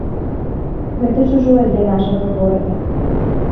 Гэта чужое для нашага горада.